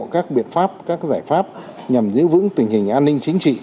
các biện pháp các giải pháp nhằm giữ vững tình hình an ninh chính trị